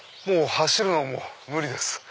走るのはもう無理です。